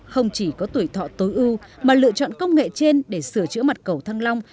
không chỉ có tuổi thọ tối ưu mà lựa chọn công nghệ trên để sửa chữa mặt cầu thăng long